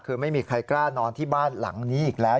คือไม่มีใครกล้านอนที่บ้านหลังนี้อีกแล้ว